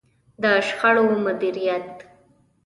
د شخړو مديريت.